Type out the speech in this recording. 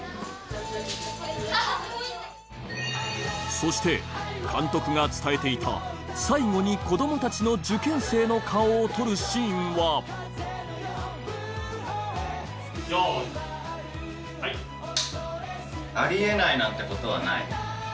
そして監督が伝えていた最後に子供たちの受験生の顔を撮るシーンは・よいはい・あり得ないなんてことはない。